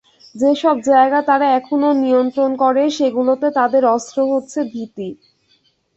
যেসব জায়গা তারা এখনো নিয়ন্ত্রণ করে, সেগুলোতে তাদের অস্ত্র হচ্ছে ভীতি।